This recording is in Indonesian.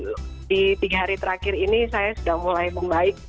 di tiga hari terakhir ini saya sudah mulai membaik